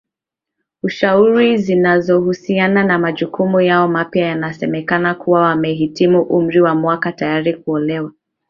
ushauri zinazohusiana na majukumu yao mapya wanasemekana kuwa wamehitimu umri wa wanawake tayari kuolewa